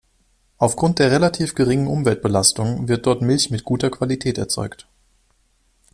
Aufgrund der relativ geringen Umweltbelastung wird dort Milch mit guter Qualität erzeugt.